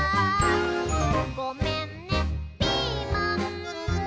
「ごめんねピーマン」